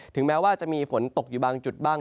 แม้ว่าจะมีฝนตกอยู่บางจุดบ้าง